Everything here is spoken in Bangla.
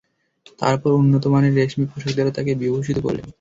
তারপর উন্নত মানের রেশমী পোশাক দ্বারা তাকে বিভূষিত করলেন।